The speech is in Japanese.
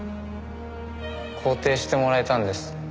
肯定してもらえたんです。